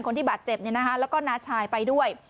คนที่บาดเจ็บเนี่ยนะคะแล้วก็น้าชายไปด้วย